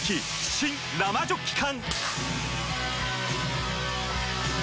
新・生ジョッキ缶！